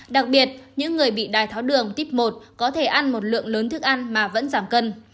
đặc biệt những người bị đai tháo đường tuyếp một có thể ăn một lượng lớn thức ăn mà vẫn giảm cân